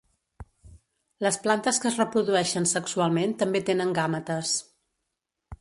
Les plantes que es reprodueixen sexualment també tenen gàmetes.